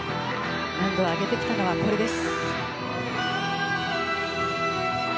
難度を上げてきたのはこれです。